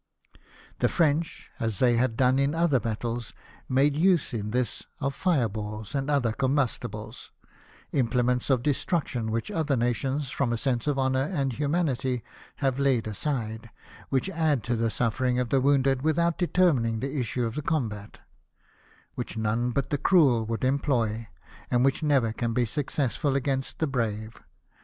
The French, as they had done in other battles, made use in this of fire balls and other combustibles — implements of destruc tion which other nations, from a sense of honour and humanity, have laid aside ; which add to the sufferings of the wounded without determining the issue of the combat ; which none but the cruel would employ, and which never can be successful against the brave.